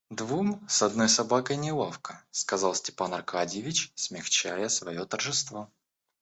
Двум с одною собакой неловко, — сказал Степан Аркадьич, смягчая свое торжество.